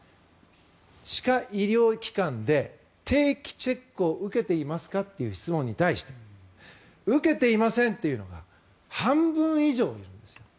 歯科医療機関で定期チェックを受けていますか？という質問に対して受けていませんというのが半分以上なんです。